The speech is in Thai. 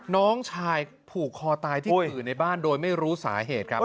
น้องชายผูกคอตายที่ขื่อในบ้านโดยไม่รู้สาเหตุครับ